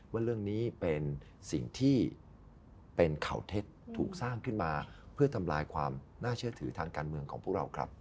ว่าเรื่องนี้เป็นสิ่งที่เป็นข่าวเท็จถูกสร้างขึ้นมาเพื่อทำลายความน่าเชื่อถือทางการเมืองของพวกเราครับ